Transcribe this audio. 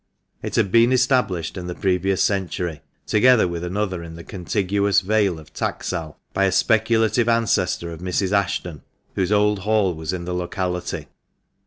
It had been established in the previous century, together with another in the contiguous vale of Taxal, by a speculative ancestor of Mrs. Ashton, whose old hall was in the locality.